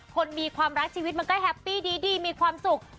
คนมีความรักชีวิตมันก็แฮปปี้ดีมีความสุข